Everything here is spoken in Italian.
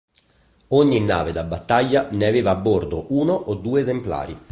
Ogni nave da battaglia ne aveva a bordo uno o due esemplari.